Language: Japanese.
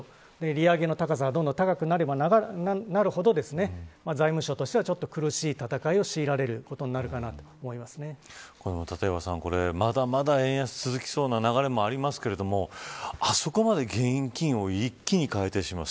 ただ逆に利上げの期間が延びれば延びるほど利上げの高さが高くなればなるほど財務省としてはちょっと苦しい戦いを強いられることになるかな立岩さん、まだまだ円安続きその流れもありますけれどもあそこまで現金を一気にかえてしまう。